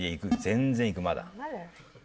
全然いくまだ。